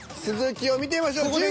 続きを見てみましょう。